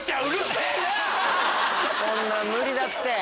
こんなん無理だって！